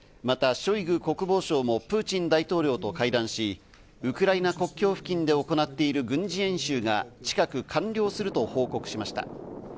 またショイグ国防相もプーチン大統領と会談し、ウクライナ国境付近で行っている軍事演習が近く完了すると報告しました。